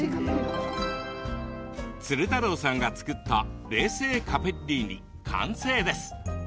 鶴太郎さんが作った冷製カペッリーニ完成です。